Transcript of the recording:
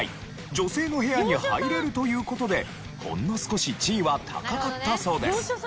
女性の部屋に入れるという事でほんの少し地位は高かったそうです。